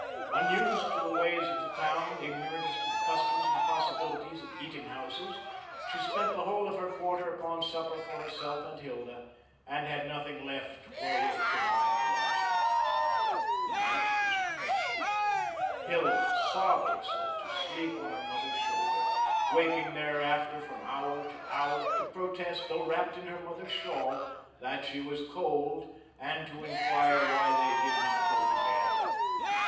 Unused to the ways of the town, ignorant as to the customs and possibilities of eating houses, she spent the whole of her quarter upon supper for herself and Hilda, and had nothing left wherewith to buy a lodging. The night was dreadful; Hilda sobbed herself to sleep on her mother's shoulder, waking thereafter from hour to hour, to protest, though wrapped in her mother's shawl, that she was cold, and to enquire why they did not go to bed.